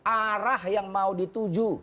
arah yang mau dituju